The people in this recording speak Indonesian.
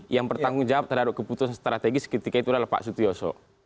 yang bertanggung jawab terhadap keputusan strategis ketika itulah pak sutyoso